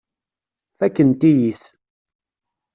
Fakkent-iyi-t.